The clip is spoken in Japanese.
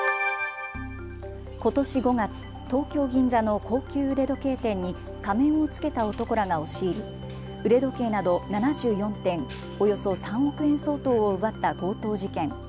ことし５月、東京銀座の高級腕時計店に仮面を着けた男らが押し入り、腕時計など７４点およそ３億円相当を奪った強盗事件。